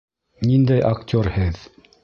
Ниндәй актер һеҙ?!